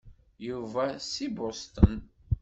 Yuba si Boston.